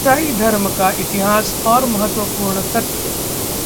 ईसाई धर्म का इतिहास और महत्वपूर्ण तथ्य